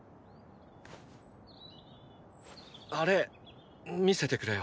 あれ見せてくれよ。